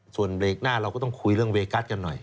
ส่วนเบรกหน้าเราก็ต้องคุยเรื่องเวกัสกันหน่อย